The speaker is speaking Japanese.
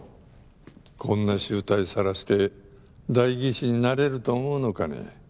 こんな醜態さらして代議士になれると思うのかね？